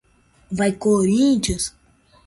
Go Corinthians!!